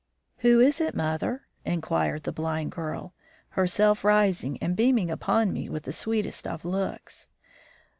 "Who is it, mother?" inquired the blind girl, herself rising and beaming upon me with the sweetest of looks.